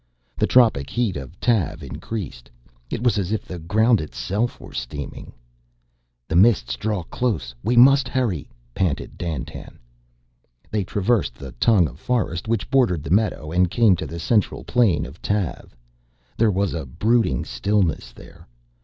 The tropic heat of Tav increased; it was as if the ground itself were steaming. "The Mists draw close; we must hurry," panted Dandtan. They traversed the tongue of forest which bordered the meadow and came to the central plain of Tav. There was a brooding stillness there.